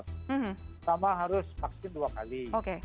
pertama harus vaksin dua kali